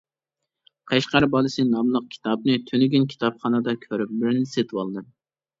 «قەشقەر بالىسى» ناملىق كىتابنى تۈنۈگۈن كىتابخانىدا كۆرۈپ بىرنى سېتىۋالدىم.